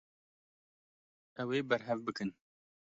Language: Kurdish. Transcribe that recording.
Ew ê berhev bikin.